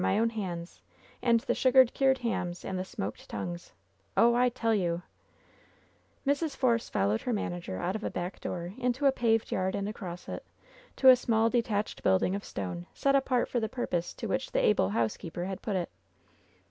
my own hands, and the sugar cured hams and the smoked tongues. Oh, I tell you !" Mrs. Force followed her manager out of a back door into a paved yard and across it, to a small detached building of stone, set apart for the purpose to which the able housekeeper had put it.